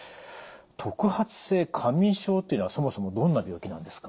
特発性過眠症というのはそもそもどんな病気なんですか？